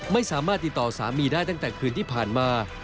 ไม่สามารถติดต่อสามีได้ตั้งแต่คืนที่ผ่านมา